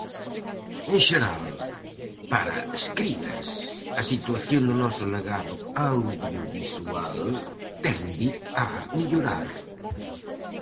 En xeral, para Escrigas a situación do noso legado audiovisual tende a mellorar.